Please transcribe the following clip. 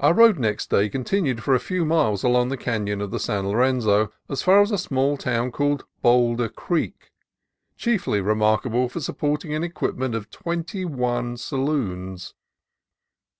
Our road next day continued for a few miles along the canon of the San Lorenzo as far as a small town called Boulder Creek, chiefly remarkable for sup porting an equipment of twenty one saloons.